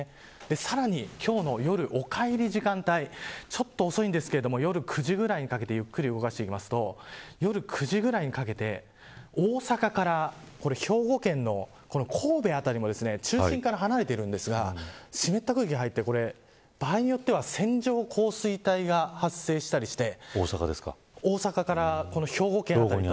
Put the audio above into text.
さらに今日の夜お帰りの時間帯ちょっと遅いんですが夜９時くらいにかけてゆっくり動かしていくと夜９時ぐらいにかけて大阪から、兵庫県の神戸辺りも中心から離れているんですが湿った空気が入って場合によっては線状降水帯が発生したりして大阪から兵庫県の辺り。